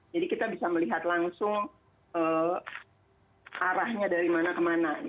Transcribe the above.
jadi kita bisa melihat langsung arahnya dari mana ke mana